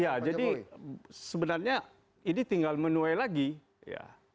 ya jadi sebenarnya ini tinggal menuai lagi ya